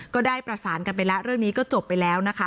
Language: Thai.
ก็ได้ประสานกันไปแล้วเรื่องนี้ก็จบไปแล้วนะคะ